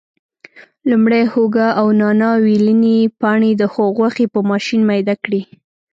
لومړی هوګه او نانا ویلني پاڼې د غوښې په ماشین میده کړي.